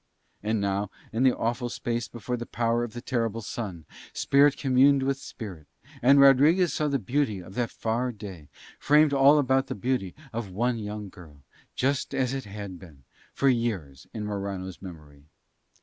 And now in that awful space before the power of the terrible Sun, spirit communed with spirit, and Rodriguez saw the beauty of that far day, framed all about the beauty of one young girl, just as it had been for years in Morano's memory.